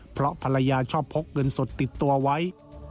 เพราะภรรยาชอบพกเงินสดติดตัวไว้